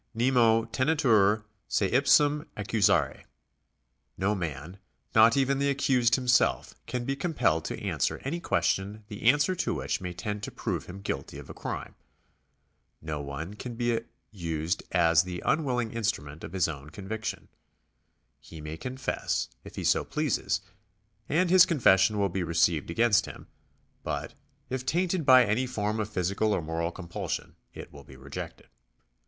Nemo tejietur se ipsum accusare. No man, not even the accused himself, can be compelled to answer any question the answer to which may tend to prove him guilty of a crime. No one can be used as the unwilling instrument of his own conviction. He may confess, if he so pleases, and his confession will be received against him ; but if tainted by any form of physical or moral compulsion, it will be rejected.